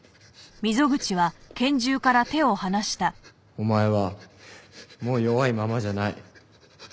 お前はもう弱いままじゃない。